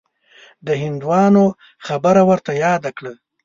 د هندیانو خبره ورته یاده کړه.